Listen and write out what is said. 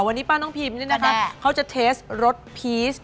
วันนี้ป้าน้องพิมนี่นะคะเขาจะเทสรถพีช